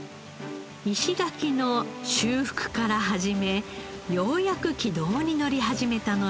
石垣の修復から始めようやく軌道に乗り始めたのです。